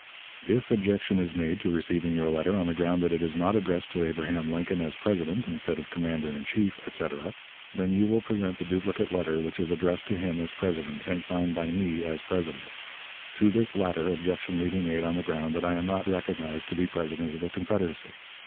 "If objection is made to receiving your letter on the ground that it is not addressed to Abraham Lincoln as President, instead of Commander in Chief, etc., then you will present the duplicate letter which is addressed to him as President and signed by me as President. To this latter, objection may be made on the ground that I am not recognized to be President of the Confederacy.